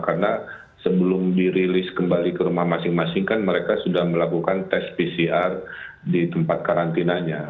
karena sebelum dirilis kembali ke rumah masing masing kan mereka sudah melakukan tes pcr di tempat karantinanya